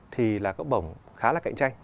thì là học bổng khá là cạnh tranh